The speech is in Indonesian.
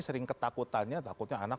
sering ketakutannya takutnya anak